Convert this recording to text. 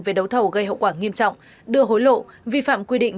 về đấu thầu gây hậu quả nghiêm trọng đưa hối lộ vi phạm quy định